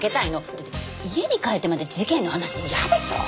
だって家に帰ってまで事件の話嫌でしょ？